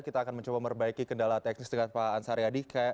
kita akan mencoba memperbaiki kendala teknis dengan pak ansar yadi